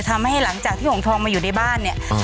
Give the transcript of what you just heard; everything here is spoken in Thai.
ทำให้หลังจากที่หงทองมาอยู่ในบ้านเนี่ย